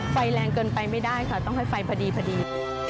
ไฟแรงเกินไปไม่ได้ค่ะต้องให้ไฟพอดีพอดี